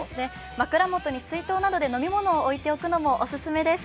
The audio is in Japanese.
枕元に水筒などで水分を置いておくのもおすすめです。